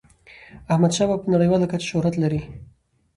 احمد شاه بابا په نړیواله کچه شهرت لري.